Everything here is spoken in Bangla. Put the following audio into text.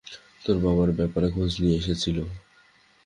তোর বাবার ব্যপারে খোঁজ নিয়ে এসেছিল।